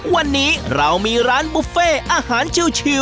วันนี้เรามีร้านบุฟเฟ่อาหารชิว